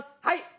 はい！